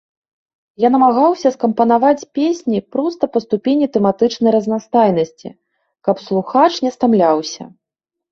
Я намагаўся скампанаваць песні проста па ступені тэматычнай разнастайнасці, каб слухач не стамляўся.